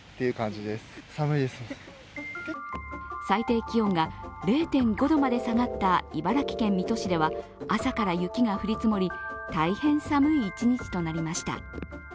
最低気温が０．５度まで下がった茨城県水戸市では朝から雪が降り積もり、大変寒い一日となりました。